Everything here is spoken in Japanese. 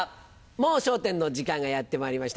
『もう笑点』の時間がやってまいりました。